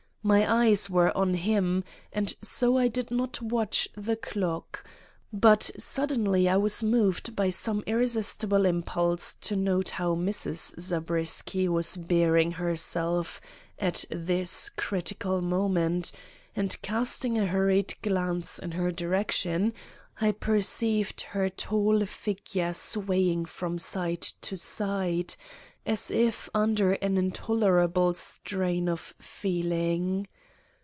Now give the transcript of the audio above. My eyes were on him, and so I did not watch the clock, but suddenly I was moved by some irresistible impulse to note how Mrs. Zabriskie was bearing herself at this critical moment, and, casting a hurried glance in her direction, I perceived her tall figure swaying from side to side, as if under an intolerable strain of feeling.